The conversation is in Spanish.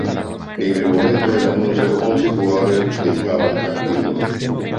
En el momento del anuncio, once jugadores estaban activos.